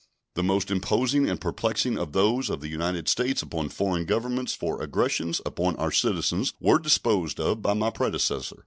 The most imposing and perplexing of those of the United States upon foreign governments for aggressions upon our citizens were disposed of by my predecessor.